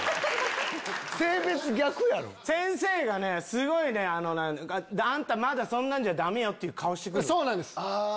先生がねすごいねあんたまだそんなんじゃダメよっていう顔して来る。